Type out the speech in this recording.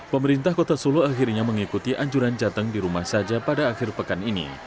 pemerintah kota solo akhirnya mengikuti anjuran jateng di rumah saja pada akhir pekan ini